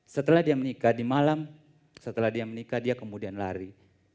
setelah dia menikah di malam setelah dia menikah dia kemudian lari